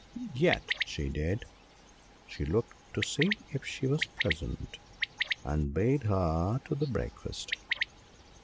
Yet she did; she looked to see if she were present, and she bade her to the breakfast.